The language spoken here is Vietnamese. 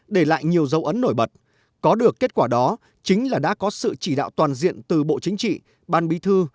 có dấu ấn nổi bật có được kết quả đó chính là đã có sự chỉ đạo toàn diện từ bộ chính trị ban bí thư